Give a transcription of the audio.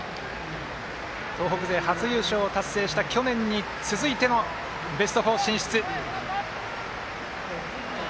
東北勢初優勝を達成した去年に続いてのベスト４進出。